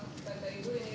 nah sebenarnya itu gimana